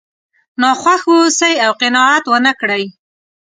ناخوښ واوسئ او قناعت ونه کړئ.